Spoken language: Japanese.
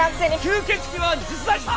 「吸血鬼は実在した！」。